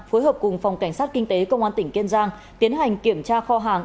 phối hợp cùng phòng cảnh sát kinh tế công an tỉnh kiên giang tiến hành kiểm tra kho hàng